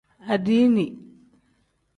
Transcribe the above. Adiini.